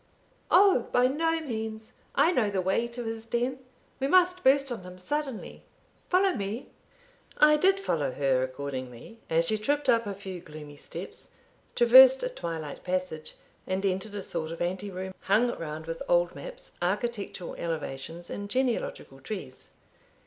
"Oh, by no means; I know the way to his den we must burst on him suddenly follow me." I did follow her accordingly, as she tripped up a few gloomy steps, traversed a twilight passage, and entered a sort of ante room, hung round with old maps, architectural elevations, and genealogical trees.